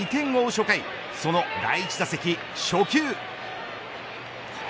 初回その第１打席初球。